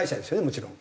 もちろん。